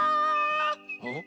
うん？